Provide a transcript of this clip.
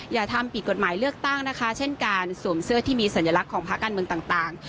อย่าทำผิดกฎหมายเลือกตั้งนะคะเช่นการสวมเสื้อที่มีสัญลักษณ์ของภาคการเมืองต่าง